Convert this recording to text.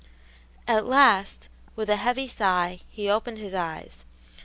At last, with a heavy sigh, he opened his eyes.